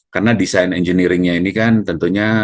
karena desain engineering nya ini kan tentunya